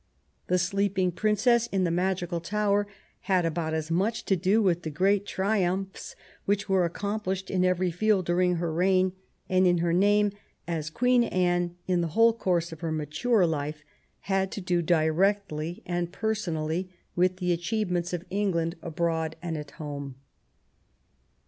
The sleeping princess in the magical tower had about as much to do with the great triumphs which were accomplished in every field during her reign, and in her name, as Queen Anne in the whole course of her mature life had to do directly and personally with the achievements of England abroad and at home.